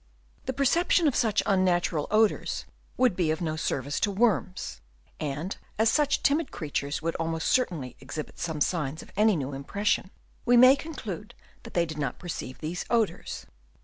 The perception of such unnatural odours would be of no service to worms ; and as such timid creatures would almost certainly exhibit some signs of any new impression, we may conclude that they did not perceive these odours.